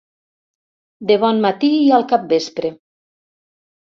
De bon matí i al capvespre.